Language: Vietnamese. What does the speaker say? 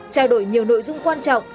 trao đổi nhiều nội dung quan trọng